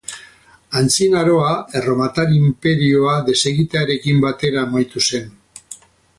Antzinaroa Erromatar Inperioa desegitearekin batera amaitu zen.